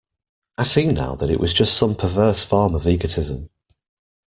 I see now that it was just some perverse form of egotism.